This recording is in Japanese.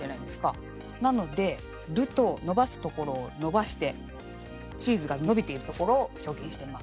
なので「ル」と伸ばすところを伸ばしてチーズが伸びているところを表現しています。